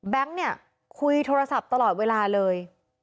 เนี่ยคุยโทรศัพท์ตลอดเวลาเลย